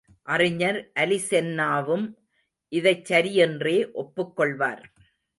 அறிஞர் அலிசென்னாவும் இதைச் சரியென்றே ஒப்புக் கொள்வார்.